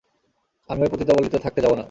আমি ওই পতিতাপল্লীতে থাকতে যাবো না।